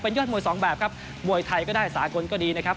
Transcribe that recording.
ยอดมวยสองแบบครับมวยไทยก็ได้สากลก็ดีนะครับ